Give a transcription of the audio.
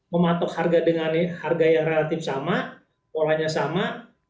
mematok harga dengan harga yang relatif sama polanya sama